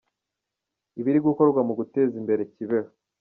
Ibiri gukorwa mu guteza imbere Kibeho.